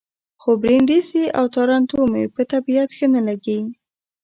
خو برېنډېسي او تارانتو مې په طبیعت ښه نه لګي.